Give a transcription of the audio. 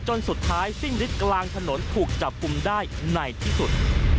จนสุดท้ายสิ้นฤทธิ์กลางถนนถูกจับกลุ่มได้ในที่สุด